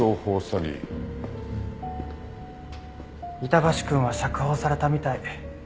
板橋くんは釈放されたみたい。